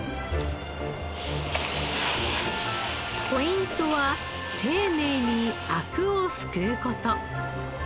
ポイントは丁寧にあくをすくう事。